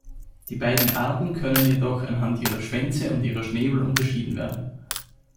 Die beiden Arten können jedoch anhand ihrer Schwänze und ihrer Schnäbel unterschieden werden.